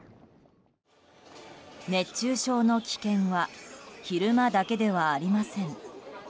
熱中症の危険は昼間だけではありません。